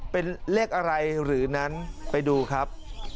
เป็นเลขอะไรหรือนั้นไปดูครับ